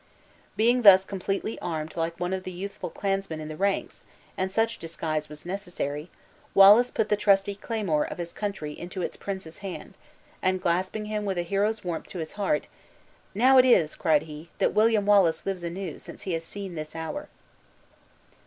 Being thus completely armed like one of the youthful clansmen in the ranks (and such disguise was necessary), Wallace put the trusty claymore of his country into its prince's hand; and clasping him with a hero's warmth to his heart "Now it is," cried he, "that William Wallace lives anew since he has seen this hour!"